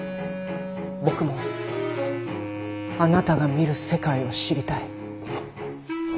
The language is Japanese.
僕もあなたが見る世界を知りたい。